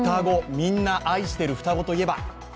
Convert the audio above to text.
みんな愛してる双子といえば？